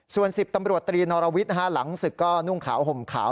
ส่วน๑๐ตำรวจตรีนอรวิทย์หลังศึกก็นุ่งขาวห่มขาว